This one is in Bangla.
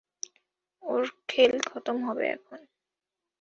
ওর খেল খতম হবে এখন।